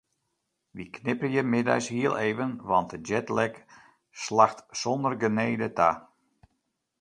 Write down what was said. Wy knipperje middeis hiel even want de jetlag slacht sonder genede ta.